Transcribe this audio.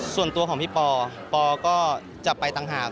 ส่วนตัวของพี่ปอปอก็จะไปต่างหาก